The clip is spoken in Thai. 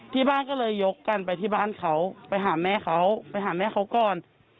ที่บ้านก็เลยยกกันไปที่บ้านเขาไปหาแม่เขาก่อน